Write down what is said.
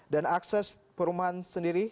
dan akses perumahan sendiri